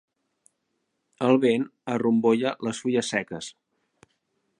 El vent arrombolla les fulles seques.